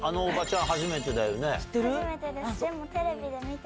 初めてですでも。